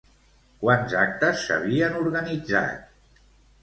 Quants actes s'havien organitzat?